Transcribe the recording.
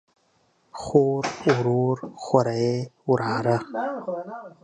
خور، ورور، خوریئ ،وراره